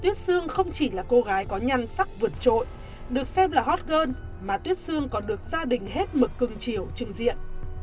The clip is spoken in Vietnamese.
tuyết sương không chỉ là cô gái có nhan sắc vượt trội được xem là hot girl mà tuyết sương còn được gia đình hết mực cưng chiều trừng diện